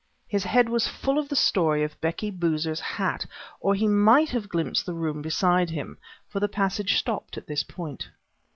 His head was full of the story of Becky Boozer's hat or he might have glimpsed the room beside him for the passage stopped at this point.